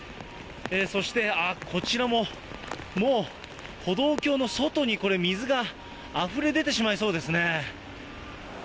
そして、あっ、こちらも、もう歩道橋の外に、これ、水があふれ出てしまいそうですね。